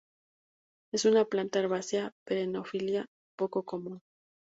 Es una planta herbácea perennifolia poco común.